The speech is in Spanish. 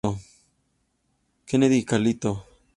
Kennedy y Carlito.